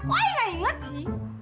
kok ayah nggak inget sih